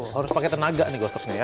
harus pakai tenaga nih gosoknya ya